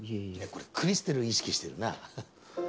これクリステル意識してるな。